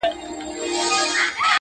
نه په منځ كي خياطان وه نه ټوكران وه-